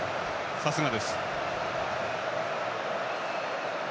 さすがです。